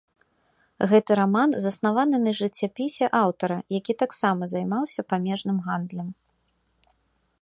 Гэты раман заснаваны на жыццяпісе аўтара, які таксама займаўся памежным гандлем.